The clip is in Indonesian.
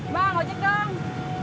bang ojek dong